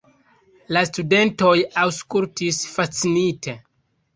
La studentoj aŭskultis fascinite.